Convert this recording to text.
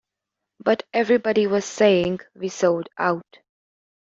But everybody was saying we sold out.